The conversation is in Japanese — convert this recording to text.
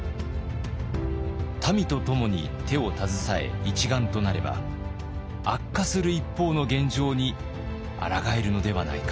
民とともに手を携え一丸となれば悪化する一方の現状にあらがえるのではないか。